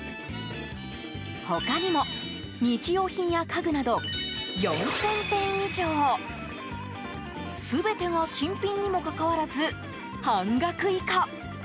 他にも日用品や家具など４０００点以上全てが新品にもかかわらず半額以下。